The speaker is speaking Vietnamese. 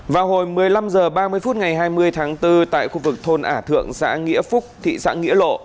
vào hồi một mươi năm h ba mươi phút ngày hai mươi tháng bốn tại khu vực thôn ả thượng xã nghĩa phúc thị xã nghĩa lộ